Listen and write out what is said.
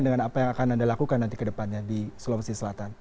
dengan apa yang akan anda lakukan nanti ke depannya di sulawesi selatan